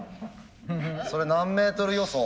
それ何メートル予想？